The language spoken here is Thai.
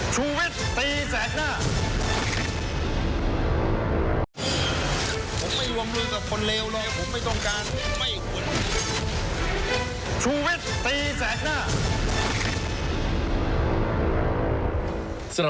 ชุเวศตีแสนหน้า